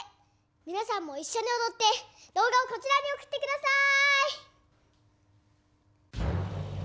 皆さんも一緒に踊って動画をこちらに送ってください。